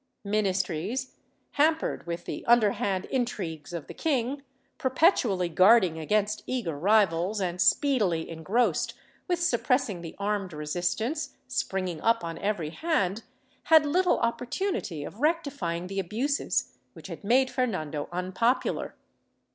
Ministries, hampered with the underhand intrigues of the king, perpetually guarding against eager rivals, and speedily engrossed with suppressing the armed resistance springing up on every hand, had little opportunity of rectifying the abuses which had made Fernando unpopular.